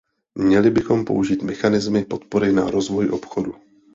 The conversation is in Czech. Měli bychom použít mechanismy podpory na rozvoj obchodu.